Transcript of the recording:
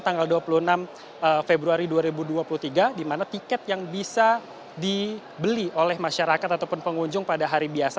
tanggal dua puluh enam februari dua ribu dua puluh tiga di mana tiket yang bisa dibeli oleh masyarakat ataupun pengunjung pada hari biasa